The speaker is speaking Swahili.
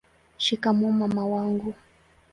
shikamoo mama wangu